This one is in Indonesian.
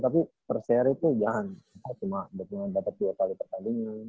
tapi per seri tuh jangan cuma dapat dua kali pertandingan